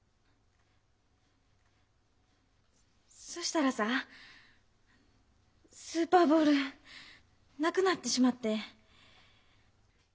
そしたらさぁスーパーボールなくなってしまって。